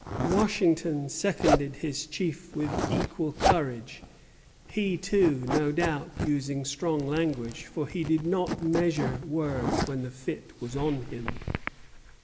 Washington seconded his chief with equal courage; he too no doubt using strong language, for he did not measure words when the fit was on him.